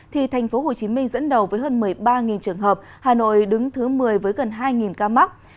thì thành phố hồ chí minh dẫn đầu với hơn một mươi ba trường hợp hà nội đứng thứ một mươi với gần hai ca mắc